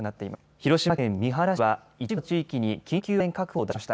広島県三原市は一部の地域に緊急安全確保を出しました。